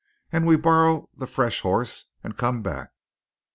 And we borrow the fresh horse and come back."